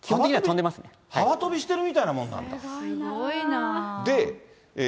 幅跳びしているみたいなもんすごいな。